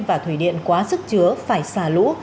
và thủy điện quá sức chứa phải xà lũ